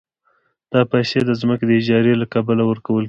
دا پیسې د ځمکې د اجارې له کبله ورکول کېږي